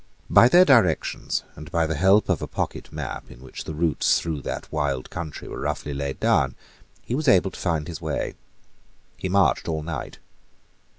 By their directions, and by the help of a pocket map, in which the routes through that wild country were roughly laid down, he was able to find his way. He marched all night.